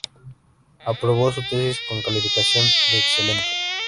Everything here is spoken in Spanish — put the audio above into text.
Aprobó su tesis con calificación de Excelente.